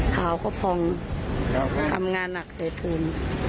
เท้ากระพองทำงานหนักใช้ทุน